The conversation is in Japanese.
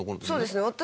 そうですね